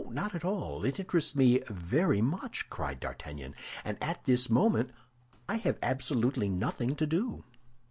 "Not at all; it interests me very much," cried D'Artagnan; "and at this moment I have absolutely nothing to do."